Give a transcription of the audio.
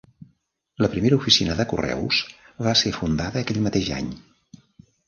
La primera oficina de correus va ser fundada aquell mateix any.